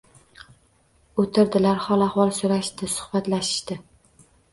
O'tirdilar, hol ahvol so'rashishdi, suhbatlashishdi.